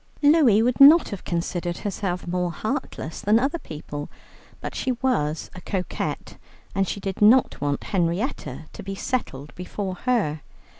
Louie would not have considered herself more heartless than other people, but she was a coquette, and she did not want Henrietta to be settled before her.